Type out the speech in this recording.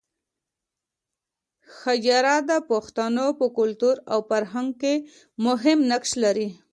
حجره د پښتانو په کلتور او فرهنګ کې مهم نقش لري